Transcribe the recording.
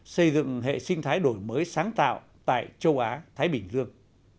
xây dựng hệ sinh thái đổi mới sáng tạo tại châu á thái bình dương